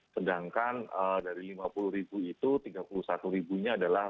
sedangkan dari lima puluh ribu itu tiga puluh satu ribunya adalah